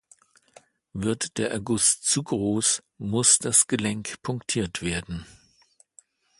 Wird der Erguss zu groß, muss das Gelenk punktiert werden.